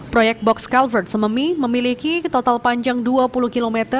proyek box culvert sememi memiliki total panjang dua puluh km